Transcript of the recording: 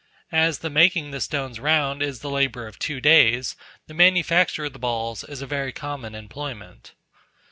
As the making the stones round is the labour of two days, the manufacture of the balls is a very common employment.